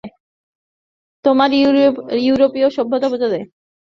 তোমার ইউরোপীয় সভ্যতা বোঝা দায়।